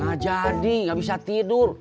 nah jadi nggak bisa tidur